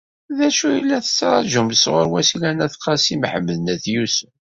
D acu i la tettṛaǧumt sɣur Wasila n Qasi Mḥemmed n At Yusef?